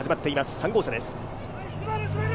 ３号車です。